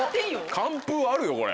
完封あるよこれ。